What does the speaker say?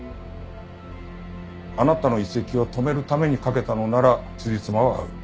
あなたの移籍を止めるためにかけたのならつじつまは合う。